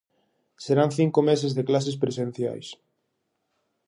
Serán cinco meses de clases presenciais.